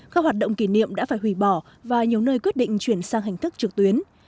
các hoạt động kỷ niệm đã phải hủy bỏ và nhiều nơi quyết định chuyển sang hình thức trực tuyến